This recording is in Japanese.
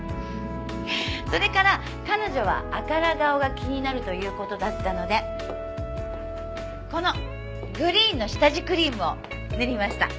それから彼女は赤ら顔が気になるという事だったのでこのグリーンの下地クリームを塗りました。